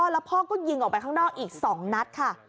แล้วพ่อก็ยิงออกไปข้างนอกอีก๒นัดค่ะ